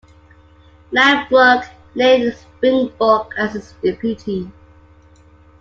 Langbroek named Springborg as his deputy.